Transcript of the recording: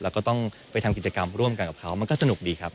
แล้วก็ต้องไปทำกิจกรรมร่วมกันกับเขามันก็สนุกดีครับ